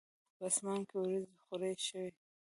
په اسمان کې وریځي خوری شوی